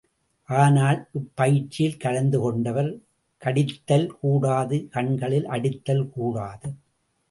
ஆனால் இப்பயிற்சியில் கலந்து கொண்டவர் கடித்தல் கூடாது கண்களில் அடித்தல் கூடாது.